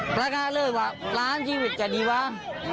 ประกาศเริ่มว่าร้านชีวิตจะดีวะ